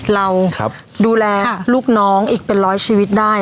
เราดูแลลูกน้องอีกเป็นร้อยชีวิตได้